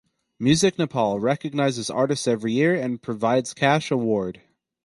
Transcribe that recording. Music Nepal recognizes artists every year and provides cash award.